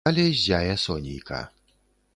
Але ззяе сонейка.